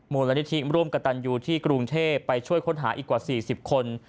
มูลนิธิร่วมกับตันยูที่กรุงเทพไปช่วยค้นหาอีกกว่า๔๐คน